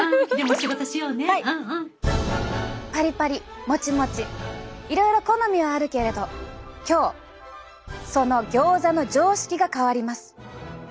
パリパリモチモチいろいろ好みはあるけれど今日そのギョーザの常識が変わります。